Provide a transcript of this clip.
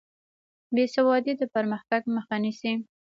بېسوادي د پرمختګ مخه نیسي.